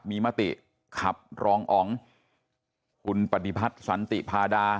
มีมติขับรองอ๋องคุณปฏิพัฒน์สันติพาดา